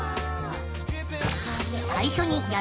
［最初に］